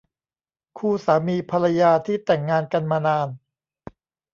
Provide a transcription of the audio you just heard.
คู่สามีภรรยาที่แต่งงานกันมานาน